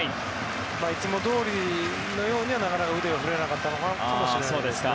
いつもどおりのようにはなかなか腕を振れなかったのかもしれないですね。